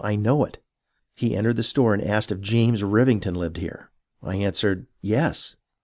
I know it. He entered the store and asked if James Rivington lived here. I answered, " Yes."